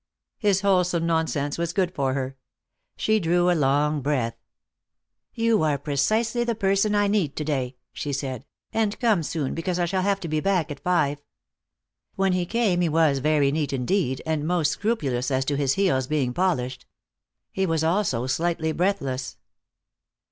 His wholesome nonsense was good for her. She drew a long breath. "You are precisely the person I need to day," she said. "And come soon, because I shall have to be back at five." When he came he was very neat indeed, and most scrupulous as to his heels being polished. He was also slightly breathless.